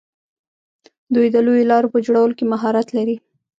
دوی د لویو لارو په جوړولو کې مهارت لري.